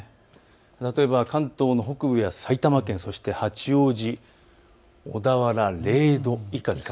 例えば関東の北部や埼玉県そして八王子、小田原０度以下です。